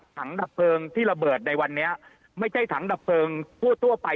ถังดับเพลิงที่ระเบิดในวันนี้ไม่ใช่ถังดับเพลิงทั่วไป